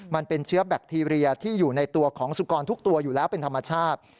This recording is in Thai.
มันเป็นเชื้อแบคทีเรียที่อยู่ในตัวของสุกรทุกตัวอยู่แล้วเป็นธรรมชาติ